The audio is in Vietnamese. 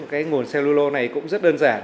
cái nguồn cellulo này cũng rất đơn giản